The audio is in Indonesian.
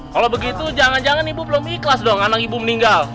kalau begitu jangan jangan ibu belum ikhlas dong anak ibu meninggal